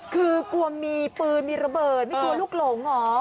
คือกลัวมีปืนมีระเบิดไม่กลัวลูกหลงเหรอ